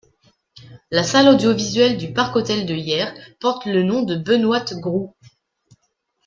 La salle audio-visuelle du Park Hotel de Hyères porte le nom de Benoîte Groult.